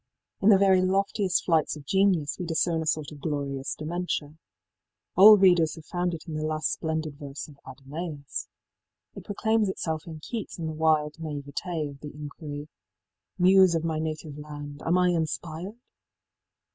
In the very loftiest flights of genius we discern a sort of glorious dementia. All readers have found it in the last splendid verse of ëAdonaÔs.í It proclaims itself in Keats in the wild naÔvetÈ of the inquiry, ëMuse of my native land, am I inspired?